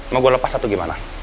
mau gue lepas atau gimana